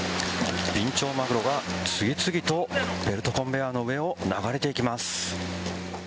ビンチョウマグロが次々とベルトコンベヤーの上を流れていきます。